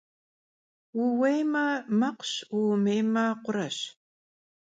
Vuêueme – mekhuş, vuêmıueme, khureş.